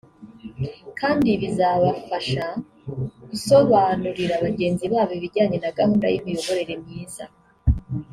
kandi bizabafasha gusobanurira bagenzi babo ibijyanye na gahunda y’imiyoborere myiza